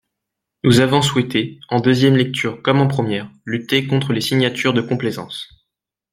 Nous avons souhaité, en deuxième lecture comme en première, lutter contre les signatures de complaisance.